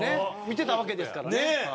見てたわけですからね。